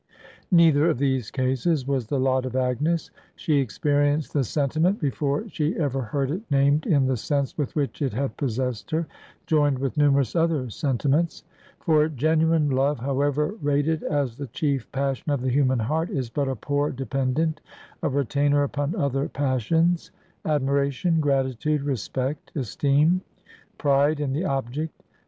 Neither of these cases was the lot of Agnes. She experienced the sentiment before she ever heard it named in the sense with which it had possessed her joined with numerous other sentiments; for genuine love, however rated as the chief passion of the human heart, is but a poor dependent, a retainer upon other passions; admiration, gratitude, respect, esteem, pride in the object.